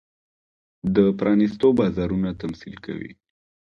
د پرانېستو بازارونو تمثیل کوي.